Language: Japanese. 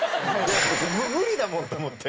無理だもんと思って。